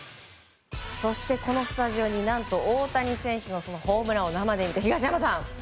そして、このスタジオに何と大谷選手のホームランを生で見た東山さん。